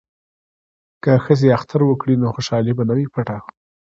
که ښځې اختر وکړي نو خوشحالي به نه وي پټه.